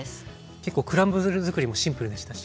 結構クランブルづくりもシンプルでしたし。